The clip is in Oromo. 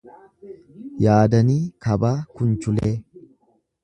Yaadanii Kabaa Kunchuulee